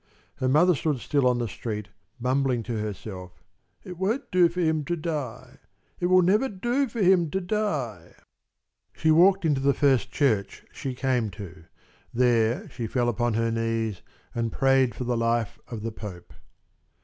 Her mother stood still on the street, mumbling to herself: "It won't do for him to die. It will never do for him to die!" She walked into the first church she came to. There she fell upon her knees and prayed for the life of the Pope.